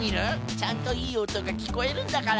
ちゃんといいおとがきこえるんだから。